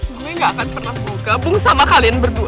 gue gak akan pernah mau gabung sama kalian berdua